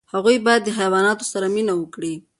هغوی باید د حیواناتو سره مینه وکړي.